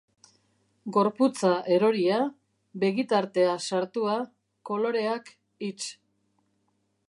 Gorputza eroria, begitartea sartua, koloreak hits.